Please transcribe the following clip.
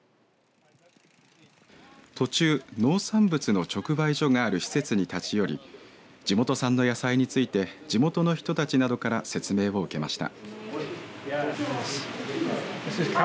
途中、農産物の直売所がある施設に立ち寄り地元産の野菜について地元の人たちなどから説明を受けました。